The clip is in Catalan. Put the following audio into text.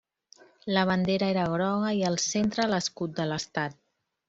La bandera era groga i al centre l'escut de l'estat.